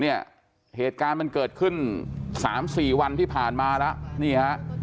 เหตุการณ์มันเกิดขึ้น๓๔วันที่ผ่านมาแล้วนี่ฮะ